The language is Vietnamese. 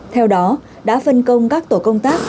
theo đó đã phân công các tổ công tác